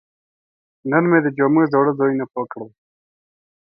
نن مې د جامو زاړه ځایونه پاک کړل.